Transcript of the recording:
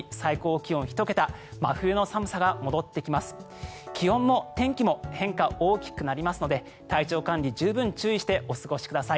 気温も天気も変化、大きくなりますので体調管理十分注意してお過ごしください。